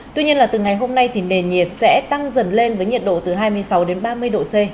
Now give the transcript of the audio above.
tuy nhiên là từ ngày hôm nay thì nền nhiệt sẽ tăng dần lên với nhiệt độ từ hai mươi sáu đến ba mươi độ c